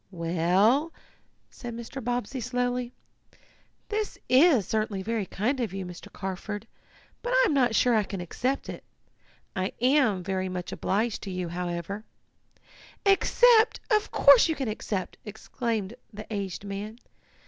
"Well," said Mr. Bobbsey slowly, "this is certainly very kind of, you, Mr. Carford, but I am not sure I can accept it. I am very much obliged to you, however " "Accept! Of course you can accept!" exclaimed the aged man.